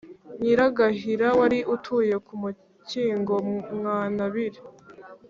Nyiragahira wari utuye ku Mukingo Mwanabiri